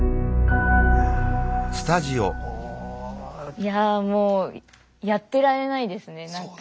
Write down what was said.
いやもうやってられないですね何か。